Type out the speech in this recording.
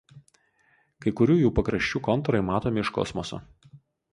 Kai kurių jų pakraščių kontūrai matomi iš kosmoso.